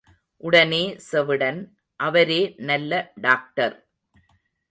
உடனே செவிடன், அவரே நல்ல டாக்டர்.